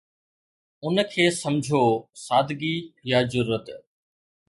ان کي سمجهو سادگي يا جرئت.